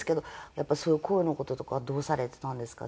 やっぱそういう声の事とかどうされてたんですか？